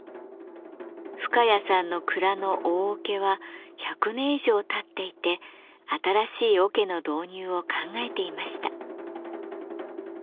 深谷さんの蔵の大桶は１００年以上たっていて新しい桶の導入を考えていました。